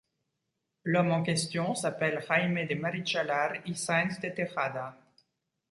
L'homme en question s’appelle Jaime de Marichalar y Sáenz de Tejada.